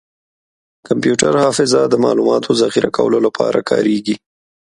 کمپیوټر حافظه د معلوماتو ذخیره کولو لپاره کارېږي.